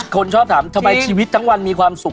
คนชอบถามทำไมชีวิตทั้งวันมีความสุข